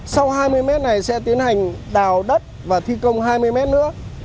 sau hai mươi m này sẽ tiến hành đào đất và thi công hai mươi m nữa